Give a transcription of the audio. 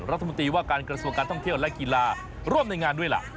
รัฐมนตรีว่าการกระทรวงการท่องเที่ยวและกีฬาร่วมในงานด้วยล่ะ